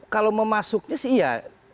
kalau mau masuknya sih iya